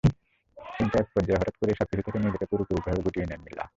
কিন্তু একপর্যায়ে হঠাৎ করেই সবকিছু থেকে নিজেকে পুরোপুরিভাবে গুটিয়ে নেন মিলা।